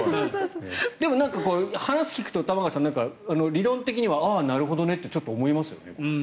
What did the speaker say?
でも、話を聞くと理論的にはああ、なるほどねってちょっと思いますよね。